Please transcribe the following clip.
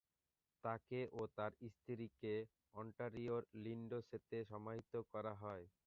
তাকে ও তার স্ত্রীকে অন্টারিওর লিন্ডসেতে সমাহিত করা হয়।